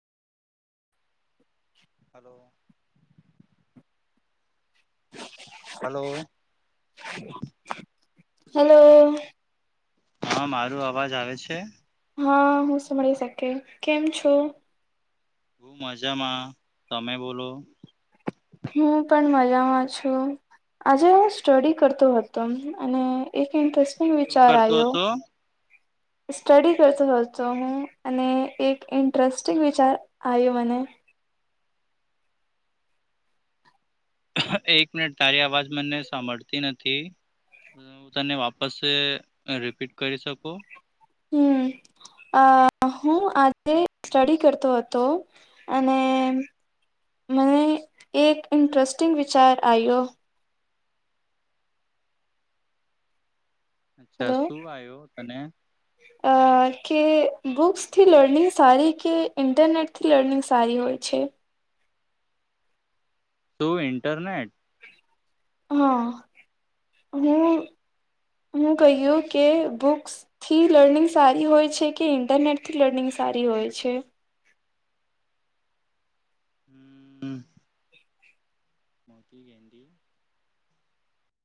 Hello. Hello. Hello. હા મારો અવાજ આવે છે? હા, હું સાંભળી શકે કેમ છો? હું મજામાં, તમે બોલો? હું પણ મજામાં છું. આજે હું સ્ટડી કરતો હતો અને એક ઇન્ટ્સ સ્ટિંગ શું વિચાર કરતો આવ્યો. હતો સ્ટડી કરતો હ તો હું, અને એક ઇન્ટરેસ્ટિંગ વિચાર આવ્યો મને. એક મિનિટ તારી અવાજ મને સાંભળતી નથી, હું તને વાપસ રિપીટ કરી સકો? હમ, અ હું આજે સ્ટડી કરતો હતો, અને મને એક ઇન્ટરેસ્ટિંગ વિચાર આયો. અચ્છા હેલો, શું આવ્યો તને અ કે બુક્સથી લર્નિંગ સારી કે ઇન્ટરનેટથી લર્નિંગ સારી હોય છે? તું ઇન્ટરનેટ. હા હું હું કહ્યું કે બુક્સ થી લર્નિંગ સારી હોય છે કે ઇન્ટરનેટથી લર્નિંગ સારી હોય છે? હમ. મોકી ગન્ટી [unintelligible]